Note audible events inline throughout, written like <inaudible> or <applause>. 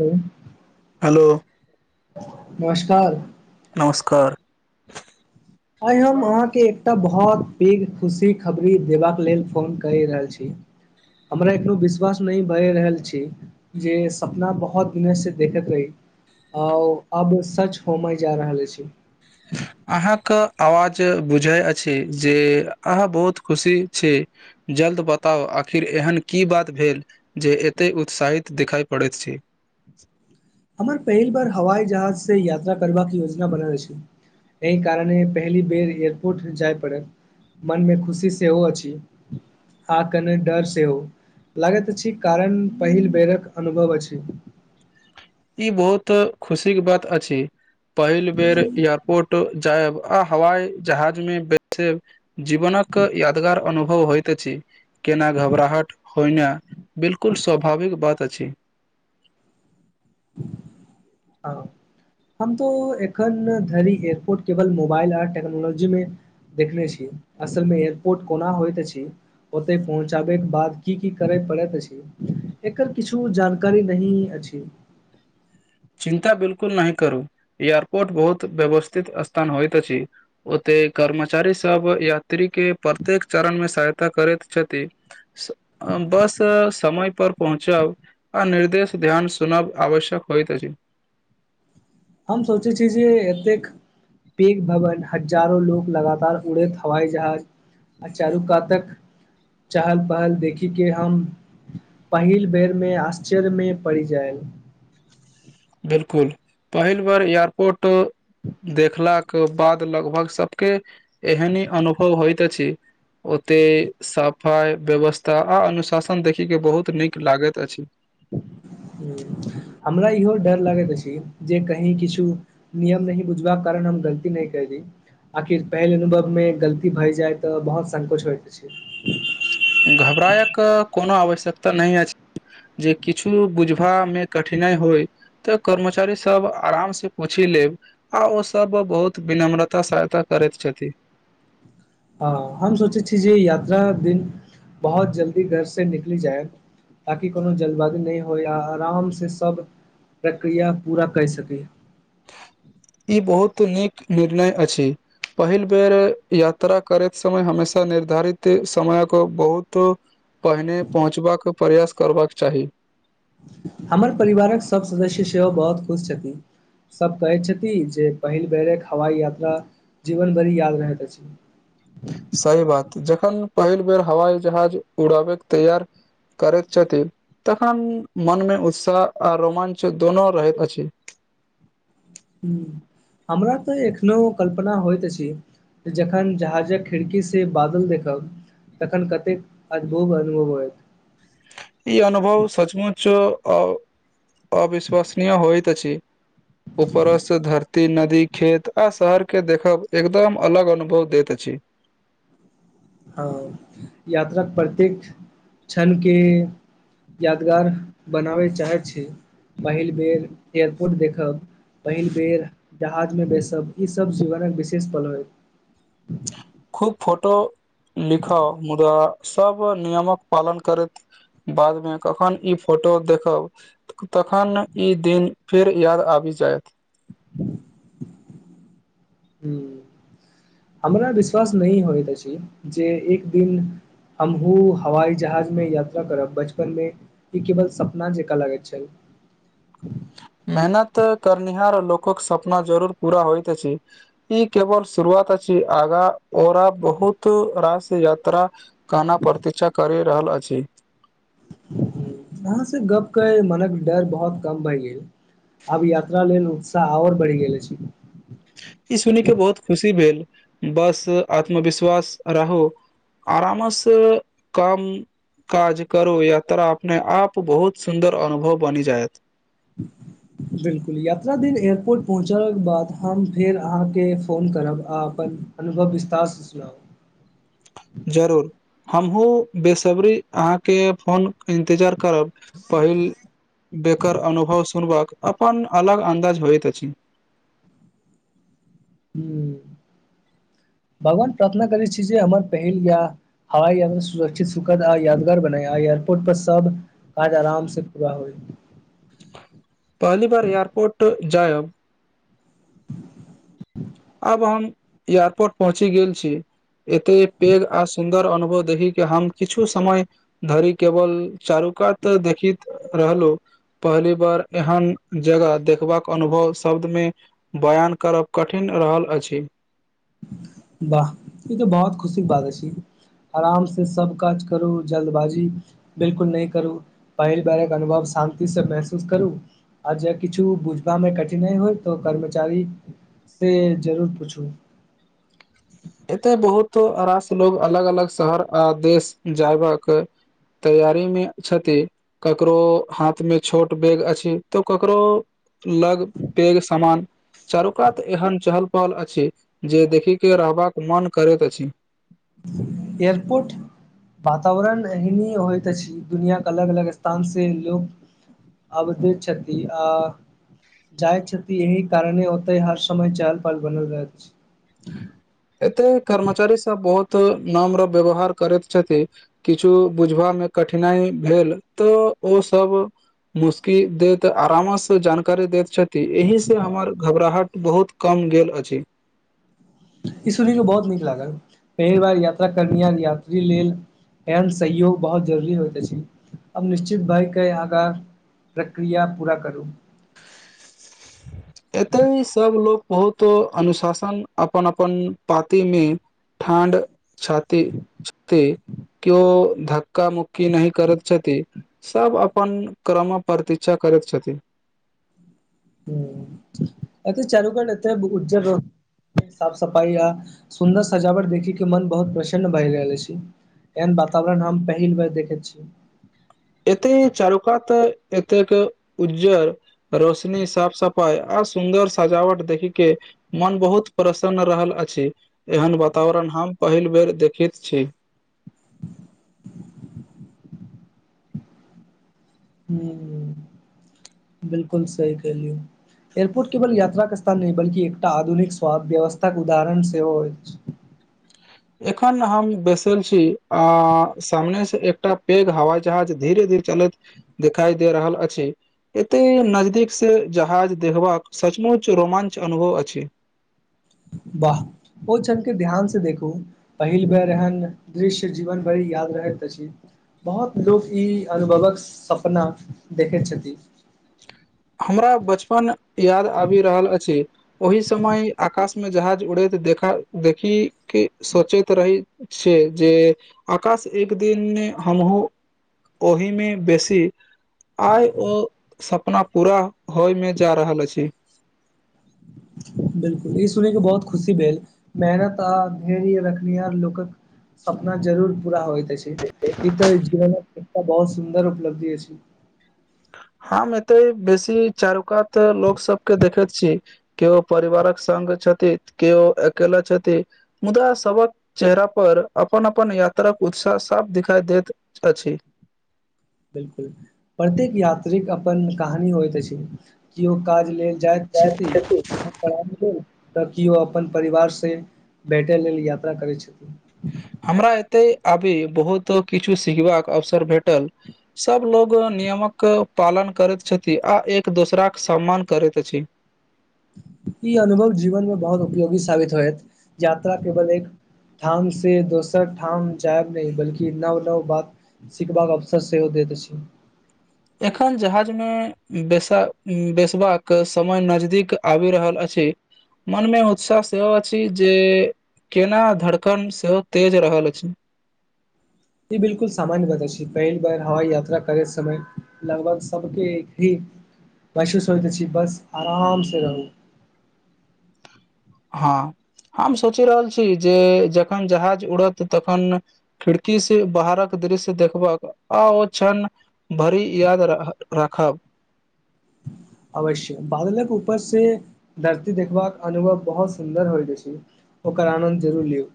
ह हेलो नमस्कार नमस्कार आइ हम अहाँके एकटा बहुत पैघ खुशी खबरी देबाक लेल फोन क रि रहल छी हमरा एखनो विश्वास नहि भ रहल छी जे सपना बहुत दिनो से देखैत रही आ अब सच होमे जा रहल छै अहाँके आवाज बुझै अछि जे अहाँ बहुत खुशी छी जल्द बताउ आखिर एहन की बात भेल जे एते उत्साहित दिखाई पड़ैत छै हमर पहिल बार हवाई जहाज से यात्रा करबाके योजना बनल अछि एहि कारणे पहिली बेर एयरपोर्ट जाय पड़त मन मे खुशी सेहो अछि आ कने डर सेहो लागैत छी कारण पहिल बेरक अनुभव अछि ई बहुत खुशी के बात अछि पहिल बेर एयरपोर्ट जायब आ हवाई जहाज मे बेसे जीवनक यादगार अनुभव होइत छी केना घबराहट होइना बिल्कुल स्वाभाविक बात अछि हम तो एखन धरि एयरपोर्ट केवल मोबाइल आर टेक्नोलॉजी मे देखने छी असल मे एयरपोर्ट कोना होइत अछि ओतय पहुँचाबैके बाद की की करय पड़ैत अछि एकर किछु जानकारी नहि अछि चिन्ता बिलकुल न करू एयारपोर्ट बहुत व्यवस्थित स्थान होइत अछि ओते कर्मचारी सब यात्री के प्रत्येक चरणमे सहायता करैत छथि बस समय पर पहुँचब आ निर्देश ध्यान सुनाब आवश्यक होइत अछि हम सोचे छी जे एतेक पघ भवन हजारो लोग लगातार उड़ैत हवई जहाज अचारू कातक चहल पहल देखी के हम पहिल बेरमे आश्चर्यमे पड़ी जाय बिलकुल पहिल बार एयरपोर्ट देखलाके बाद लगभग सबके एहन अनुभव होइत अछि ओते सफाइ व्यवस्था आ अनुशासन देखय के बहुत नीक लागैत अछि हमरा इहो डर लागैत छै जे कही किछु नियम नैह बुझबाक कारण हम गलती नै कय दी आखिर पहिल अनुभवमे गलती भय जाइ तऽ बहुत संकोचट होइत छै घबरायक कोनो आवश्यकता नहि अछि जे किछु बुझबामे कठिनाइ होय तऽ कर्मचारी सब आराम से पूछि लेत आ ओसभ बहुत विनम्रता सहायता करैत छथि हँ हम सोचे छी जे यात्रा दिन बहुत जल्दी घर से निकलि जाय ताकि कोनो जल्दबाजू नहि होय आ आरामसँ सभ प्रक्रिया पूरा कय सकी ई बहुत नीक निर्णय अछि पहिल बेर यात्रा करैत समय हमेशा निर्धारित समयक बहुत पहिने पहुँचबाक प्रयास करबाक चाही हमर परिवारक सभ सदस्य सेहो बहुत खुश छथिन सभ कहै छथि जे पहिल बेरक हवाई यात्रा जीवन बरी याद रहैत अछी सही बात जखन पहिल बेर हवाई जहाज उड़ऽबैक तैयार करैत छथिन तखन मन मे उत्साह आ रोमांच दोनो रहै अछि हुं हमरा तऽ एखनो कल्पना होइत अछि जखन जहाजक खिड़कीसे बादल देखब तखन कतेक अद्भुत अनुभव होयत ई अनुभव सचमुच अ अविश्वसनीय होइत अछि उपरो स धर ती नदी खेत आ शहर के देखब एकदम अलग अनुभव देत अछि हँ यात्राक प्रत्येक क्षणके यादगार बनाबै चाहै छै पहिल बेर एयरपोर्ट देखब पहिल बेर जहाजमे बैसब ईसभ जीवनक विशेष पल होय खूब फोटो लिखऽ मुदा सब नियमक पालन करैत बादमे कखन ई फोटो देखब तखन ई दिन फेर याद आबि जायत <inaudible> हूं हमरा विश्वास नहि होइत अछि जे एक दिन हमहू हवाई जहाज में यात्रा करब बचपन में ई केवल सपना जेकां लगै छै मेहनत करनिहार लोकक सपना जरूर पूरा होइत अछि ई केवल शुरुआत अछि आगा ओरा बहुत रास यात्रा काना प्रतीक्षा करि रहल अछि वहाँ से गप्प कय मनक डर बहुत कम भइलै आब यात्रा लेल उत्साह आओर बढ़ि गेल छै ई सुइनी के बहुत खुशी भेल बस आत्मविश्वास रहो आराऽम से कम काज करू यात्रा अपने आप बहुत सुन्दर अनुभव बनि जायत <inaudible> बिलकुल यात्रा दिन एयरपोर्ट पहुँचलक बाद हम फेर अहाँके फोन करब आ अपन अनुभव विस्तारसँ सुनाउ जरूर हमहु बेसब्री अहाँके फोन इन्तजार करब पहिल बेकर अनुभव सुनबाक अपन अलग अन्दाज होइत अछि ह भगवान प्रार्थना करैत छी जे हमर पहिल वियाह हवाई यानि सुरक्षित सुखद आ यादगार बनाय आई एयरपोर्ट पर सब काज आराम से पूरा होइ पहली बार एयरपोर्ट जायब <inaudible> आब हम एयारपोर्ट पहुँची गेल छी एते पेघ आ सुन्दर अनुभव देखी के हम किछु समय धरि केवल चारु कातऽ देखित रहलौ पहली बार एहन जगह देखबाक अनुभव शब्द मे बयान करब क ठिन रहल अछि बाह ई तऽ भारत खुशिक बात अछि आरामस सब काज करू जल्दबाजी बिलकुल नहि करू पहिल बेरक अनुभव शान्ति से महसूस करू आ जे किछु बुझबामे कठिनाइ होइ तऽ कर्मचारी से जरूर पूछू एते बहुत आरास लोग अलग अलग शहर आ देश जायबाकक तैयारी मे छथि ककरो हाथमे छोट बैग अछि तऽ ककरो लग पेग सामान चारूकात एहन चहल पहल अछि जे देखिक के रहबाक मन करैत अछि ह एयरपोर्ट वातावरण एहने होइत अछि दुनिआ के अलग अलग स्थान से लोक आबति छथि आ जाइ छथि एहि कारणे ओतय हर समय चहल पहल बनि रहै अछि एते कर्मचारी सब बहुत नम्र व्यवहार करति छथि किछु बुझबामे कठिनाइ भेल तऽ ओसब मुश्की देैत आरामो से जानकारी दैत छथि एहिस हमर घबराहट बहुत कम गेल अछि ई सुन कऽ बहुत नीक लागल पहिल बार यात्रा करनियार यात्री लेल एन सहयोग बहुत जरुररी होइत अछि अब निश्चित भयके आंहाक प्रक्रिया पूरा करू एतउ ह सब लोग बहुत अनुशासन अपन अपन पाते मे ठण्ड छाती छते कओ धक्क मुुक्की नहि करैत छथि सब अपन क्रम प्रतीक्षा करैत छथि ह अच्छऽ चालू कर एतऽ उ्ज साफ सफाई आ सुन्दर सजावट देखी के मन बहुत प्रसन्न भए रहल अछि एहन वातावरण हम पहिल बेर देखै छी एते चारु कातऽ एतेकेऽ उज्जर रोशनी साफ सफाइ आ सुन्दर सजावट देखी के मोन बहुत प्रसन्न रहल अछि एहन वातावरण हम पहिल बेर देखैत छी ह बिलकुल सही कहलियौ एयरपोर्ट केवल यात्राक स्थान नहि बल्कि एकटा आधुनिक व्यवस्था के उदाहरण सेहो अछि एखन हम बैसल छी आ सामने से एकटा पैघ हवाई जहाज धीरे धीरे चलैत देखाई दे रहल अछि एते नजदीक से जहाज देखबाक सचमुच रोमांच अनुभव अछि वाह ओ छन के ध्यान से देखू पहिल बेर एहन दृश्य जीवन भरि याद रहैत अछि बहुत लोक ई अनुभवक सपना देखैत छथि हमरा बचपन याद आबि रहल अछि ओहि समय आकाश मे जहाज उड़ैत देखा देखी के सोचति रही छियै जे आकाश एक दिन हमहुँ ओहिमे बेसी आय ओ सपना पूरा होय मे जा रहल अछि। बिलकुल ई सुनिके बहुत खुशी भेल मेहनत आ धेर्य रखनीहार लोकक सपना जरूर पूरा होइत अछि ई तऽ जीवनक एकटा बहुत सुन्दर उपलब्धि अछि। हम एतै बेसी चारू कात लोक सब के देखैत छियै। केओ परिवारक संघ छथि तऽ केओ अकेला छथि मुदा सबक चेहरा पर अपन अपन यात्राक उत्साह साफ दिखाइ देैत अछि बिल्कुल प्रत्येक यात्रीक अपन कहानी होइत अछि कियो काज लेल जाइत छथि। तऽ कियो अपन परिवार से भेटै लेल यात्रा करै छथि। हमरा एतै अभी बहुत किछु सिखबाक अवसर भेटल सब लोग नियमक पालन करैत छथि आ एक दोसराक सम्मान करैत अछि। ई अनुभव जीवन मे बहुत उपयोगी साबित होयत यात्रा केवल एकटा से दोसर ठाम जाइब नहि बल्कि नव नव बात सिखबाक अवसर सेहो दैत अछि। एखन जहाज मे बेसा बेसबाक समय नजदीक आबि रहल अछि। मनमे उत्सास सेहो अछि जे जेना धड़कन सेहो तेज रहल अछि। ई बिलकुल सामान्य बता छै पहिल बेर हवाइ यात्रा करैत समय लगभग सबके एक ही महसूस होइत अछि बस आरामसँ रहू हँ हम सोचि रहल छी जे जखन जहाज उड़त तखन खिड़की से बाहरक दृश्य देखबाक आओ क्षण भरि याद <unintelligible> राखब अवश्य बादलक ऊपर से धरती देखबाक अनुभव बहुत सुन्दर होइत अछि। ओकर आनन्द जरूर लियौ।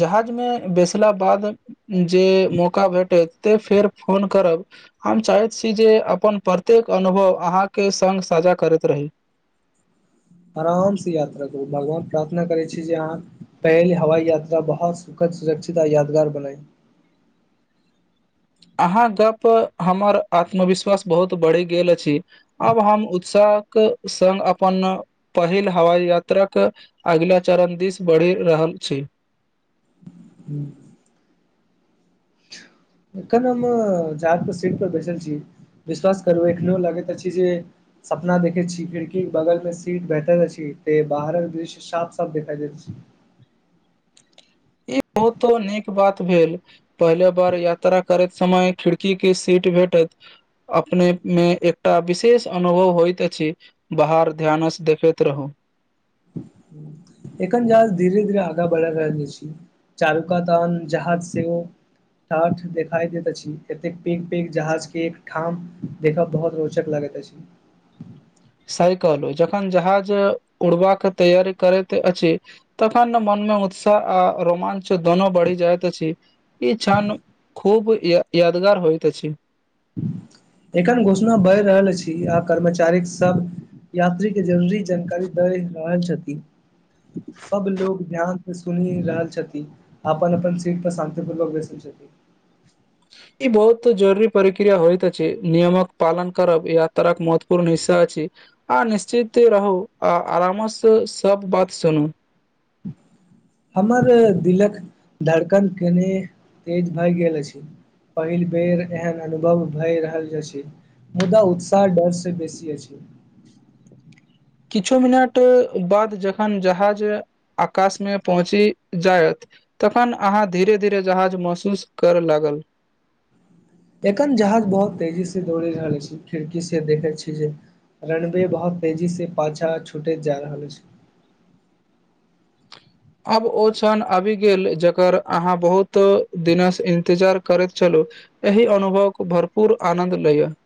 जहाजमे बैसला बाद जे मौका भेटत ते फेर फोन करब हम चाहैत छी जे अपन प्रत्येक अनुभव अहाँके संग साझा करैत रही। आरामसँ यात्रा करू भगवान प्रार्थना करै छी जे अहाँ पहिल हवाई यात्रा बहुत सुखद सुरक्षित आ यादगार बनै अहाँक गप्प पर हमर आत्मविश्वास बहुत बढ़ि गेल अछि। आब हम उत्साहके संग अपन पहिल हवाई यात्राके अगिला चरण दिस बढ़ि रहल छी। हूंम्म। जखन हम जा कऽ सीट पर बैसल छी विश्वास करू एखनो लगैत अछि जे सपना देखैत छी खिड़की के बगल मे सीट भेटल अछि तेँ बाहरक दृश्य साफ साफ देखाइ दैत छी। ई ओ तो नीक बात भेल पहिले बार यात्रा करैत समय खिड़की के सीट भेटत अपने मे एकटा विशेष अनुभव होइत अछि। बाहर ध्यानस देखैत रहू। एखन जहाज धीेरे धीरे आगाँ बढ़ा रहल अछि चारु कात तान जहाज सेहो <unintelligible> देखाइ देैत अछि एतेक पैघ पैघ जहाज के एक ठाम देखब बहुत रोचक लगैत अछि। साइकल जखन जहाज उड़बाक तैयारी करैत अछि। तखन मनमे उत्साह आ रोमाञ्च दुनू बढ़ि जाइत अछि ई क्षण खूब य यादगार होइ त अछी एखन घोषणा बढ़ रहल अछी आ कर्मचारी सब यात्री के जल्दी जानकारी दय रहल छथिन सब लोग ध्यान से सुनि रहल छथिन अपनन अपन सीट पर शान्तिपूर्वक बैसल छथी ई बहुत जरुरी परिक्रिया होइत छै नियमक पालन करब इह तर एक महत्वपूर्ण हिस्सा अ छै आ निश्चित रहू आ आरामसँ सब बात सुनू हमर दिलक धड़कन केने तेज भए गेल अछि पहिल बेर एहन अनुभव भए रहल छै मुदा उत्साह डर से बेसी अछि किछु मिनट बाद जखन जहाज आकाश मे पहुँची जायत तखन अहाँ धीरे धीरे जहाज महसूस करय लागल एखन जहाज बहुत तेजी से दौड़े रहल छी खिड़की से देखै छी जे रनवे बहुत तेजी से पाछा छूटैत जा रहल अछि आब ओ क्षण आबि गेल जकर अहाँ बहुत दिनसँ इंतजार करैत छलु एहि अनुभव क भरपूुर आनन्द लयअ